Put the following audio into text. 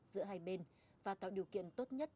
giữa hai bên và tạo điều kiện tốt nhất